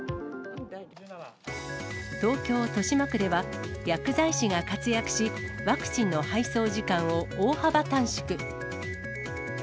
東京・豊島区では、薬剤師が活躍し、ワクチンの配送時間を大幅短縮。